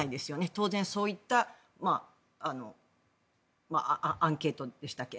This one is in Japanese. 当然、そういったアンケートでしたっけ。